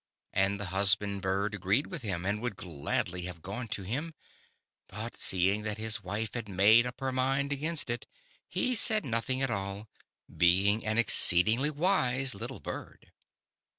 And the husband bird agreed with him and would gladly have gone to him, but seeing that his wife had made up her mind against it, he said nothing at all, being an exceedingly wise little bird.